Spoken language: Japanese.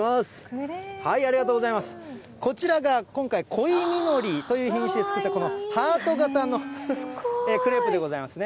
こちらが今回、恋みのりという品種で作ったこのハート形のクレープでございますね。